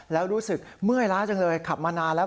แล้วรู้สึกเมื่อยล้าจังเลยขับมานานแล้ว